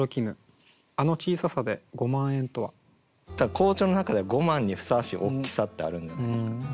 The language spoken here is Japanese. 校長の中では五万にふさわしい大きさってあるんじゃないですかね。